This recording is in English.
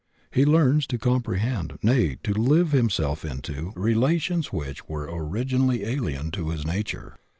He learns to comprehend nay, to live himself into relations which were originally alien to his nature.